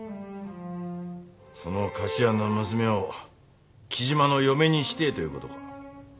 その菓子屋の娘ょお雉真の嫁にしてえということか。